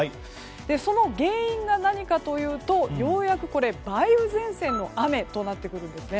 その原因が何かというとようやく、梅雨前線の雨となってくるんですね。